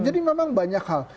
jadi memang banyak hal